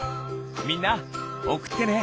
みんなおくってね！